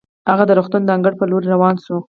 هغه د روغتون د انګړ په لورې روانه شوه.